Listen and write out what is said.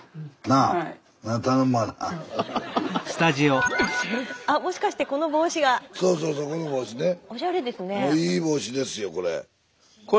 あいい帽子ですよこれ。